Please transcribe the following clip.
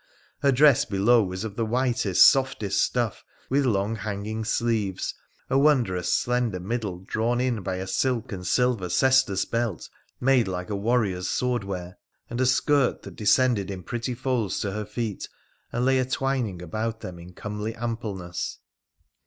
Her dress below was of the whitest, softest stuff, with long hanging sleeves, a wondrous slender middle drawn in by a silk and silver cestus belt made like a warrior's sword wear, and a skirt that descended in pretty folds to her feet and lay atwining about them in comely ampleness.